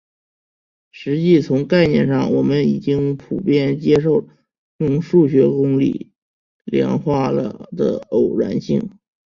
实际从概念上我们已经普遍接受了用数学公理量化了的偶然性。